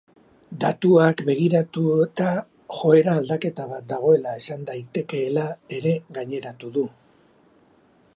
Datuak begiratuta, joera aldaketa bat dagoela esan daitekeela ere gaineratu du.